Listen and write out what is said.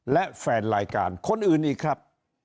และแฟนรายการคนอื่นอีกครับ